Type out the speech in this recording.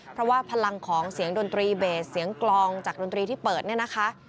เพราะว่าพลังของเสียงดนตรีเบสเสียงกลองจากดนตรีที่เปิดเนี่ยนะคะ